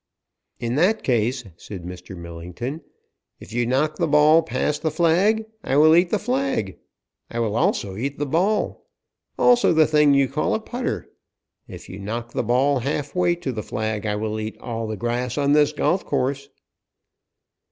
"In that case," said Mr. Millington, "if you knock the ball past the flag I will eat the flag. I will also eat the ball. Also the thing you call a putter. If you knock the ball half way to the flag, I will eat all the grass on this golf course."